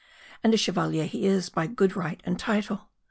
And a Chevalier he is, by good right and title.